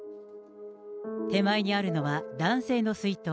手前にあるのは、男性の水筒。